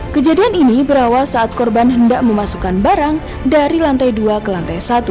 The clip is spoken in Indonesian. kejadian ini berawal saat korban hendak memasukkan barang dari lantai dua ke lantai satu